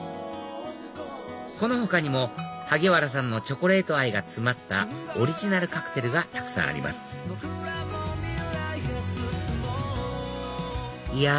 この他にも萩原さんのチョコレート愛が詰まったオリジナルカクテルがたくさんありますいや！